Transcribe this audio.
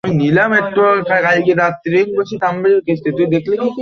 ধারেকাছে এমন কোনো আশ্রয়কেন্দ্র নাই যেহানে আচুক্কা বইন্যা আইলে মোরা আশ্রয় লমু।